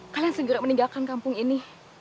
kalian segera meninggalkan kampung ini